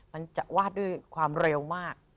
มันจะวาดด้วยความเร็วมาก